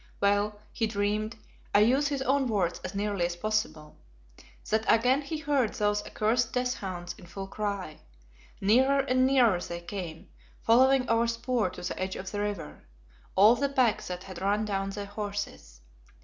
Well, he dreamed I use his own words as nearly as possible that again he heard those accursed death hounds in full cry. Nearer and nearer they came, following our spoor to the edge of the river all the pack that had run down the horses.